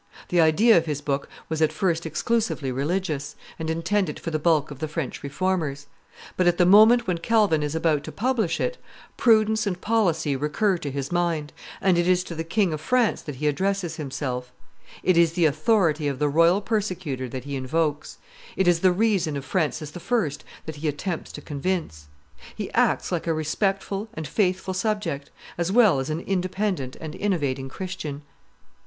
The idea of his book was at first exclusively religious, and intended for the bulk of the French Reformers; but at the moment when Calvin is about to publish it, prudence and policy recur to his mind, and it is to the King of France that he addresses himself; it is the authority of the royal persecutor that he invokes; it is the reason of Francis I. that he attempts to convince. He acts like a respectful and faithful subject, as well as an independent and innovating Christian.